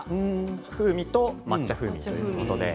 風味と抹茶風味ということで。